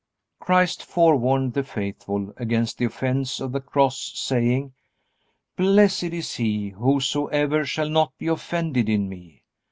Christ forewarned the faithful against the offense of the Cross, saying: "Blessed is he, whosoever shall not be offended in me."